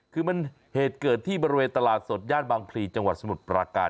คือมันเหตุเกิดที่บริเวณตลาดสดย่านบางพลีจังหวัดสมุทรปราการ